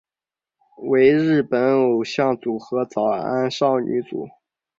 为日本偶像组合早安少女组。